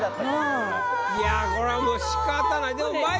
いやこれはもうしかたない。